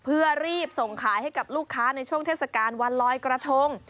เพื่อรีบส่งขายให้กับลูกค้าในช่วงเทศกาลวันลอยกระทง